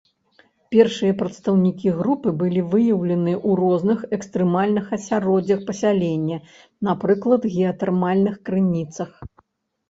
Першыя прадстаўнікі групы былі выяўленыя ў розных экстрэмальных асяроддзях пасялення, напрыклад геатэрмальных крыніцах.